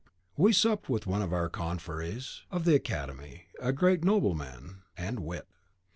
(We supped with one of our confreres of the Academy, a great nobleman and wit.)